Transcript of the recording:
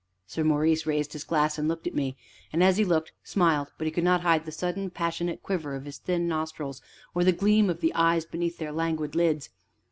Sir Maurice raised his glass and looked at me, and, as he looked, smiled, but he could not hide the sudden, passionate quiver of his thin nostrils, or the gleam of the eyes beneath their languid lids.